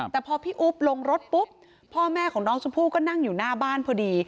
แต่พอพี่อุ๊บลงรถปุ๊บพ่อแม่ของน้องชมพู่ก็นั่งอยู่หน้าบ้านพอดี